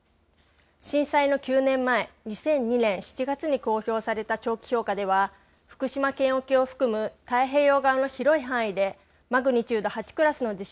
震災の９年前、２００２年７月に公表された長期評価では、福島県沖を含む太平洋側の広い範囲でマグニチュード８クラスの地